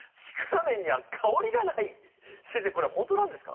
先生これは本当なんですか？